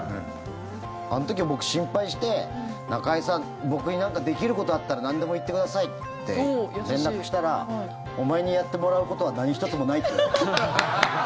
あの時、僕、心配して中居さん僕に何かできることあったらなんでも言ってくださいって連絡したらお前にやってもらうことは何一つもないって。